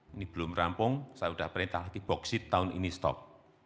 ini belum rampung saya sudah perintah lagi boksit tahun ini stop